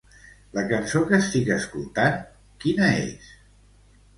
La cançó que estic escoltant, quina és?